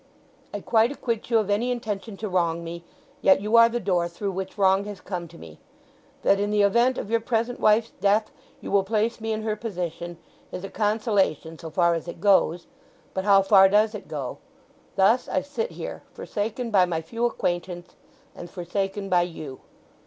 I quite acquit you of any intention to wrong me, yet you are the door through which wrong has come to me. That in the event of your present wife's death you will place me in her position is a consolation so far as it goes—but how far does it go? Thus I sit here, forsaken by my few acquaintance, and forsaken by you!